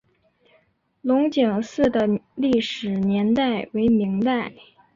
龙井寺的历史年代为明代。